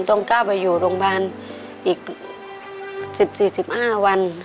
ต้องก้าวไปอยู่โรงพยาบาลอีก๑๔๑๕วัน